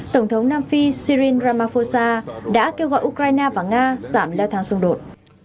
tổng thống nam phi sirin ramaphosa đã kêu gọi ukraine và nga giảm leo thang xung đột